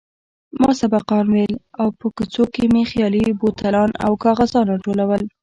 ما سبقان ويل او په کوڅو کښې مې خالي بوتلان او کاغذان راټولول.